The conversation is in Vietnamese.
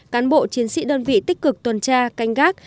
cán bộ chiến sĩ đơn vị tích cực tuần tra canh gác